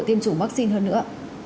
tiêm chủ vaccine hơn nữa